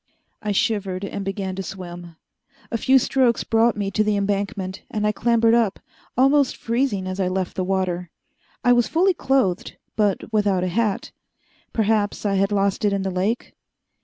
I shivered, and began to swim. A few strokes brought me to the embankment, and I clambered up, almost freezing as I left the water. I was fully clothed, but without a hat. Perhaps I had lost it in the lake.